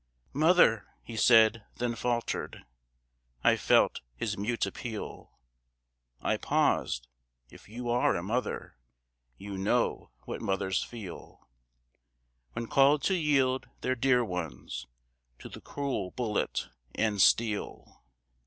"Mother," he said, then faltered, I felt his mute appeal; I paused if you are a mother, You know what mothers feel, When called to yield their dear ones To the cruel bullet and steel.